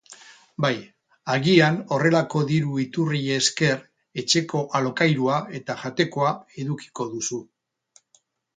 Bai, agian horrelako diru-iturriei esker etxeko alokairua eta jatekoa edukiko duzu.